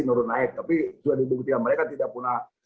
menurun naik tapi sudah dibuktikan mereka tidak pernah